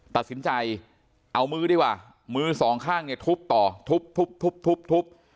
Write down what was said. ตัดสินใจเอามือดีกว่ามือสองข้างเนี่ยทุบต่อทุบทุบ